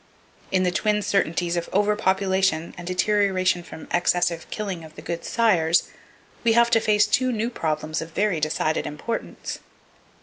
In the twin certainties of over population, and deterioration from excessive killing of the good sires, we have to face two new problems of very decided importance.